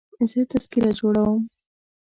زه تذکره جوړوم.